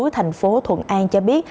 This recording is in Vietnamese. thành phố thuận an cho biết